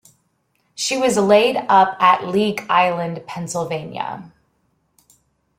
She was laid up at League Island, Pennsylvania.